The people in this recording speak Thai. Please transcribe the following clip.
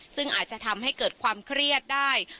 ซึ่งอาจจะทำให้เกิดความเครียดได้